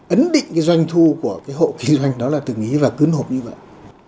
ấn định cái doanh thu của cái hộ kinh doanh đó là từng ý và cứng hộp như vậy